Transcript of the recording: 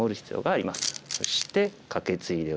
そしてカケツイでおいて。